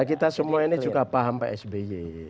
kita semua ini juga paham pak sby